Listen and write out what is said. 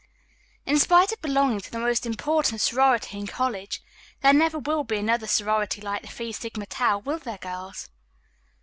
"In spite of belonging to the most important sorority in college, there never will be another sorority like the Phi Sigma Tau, will there, girls?"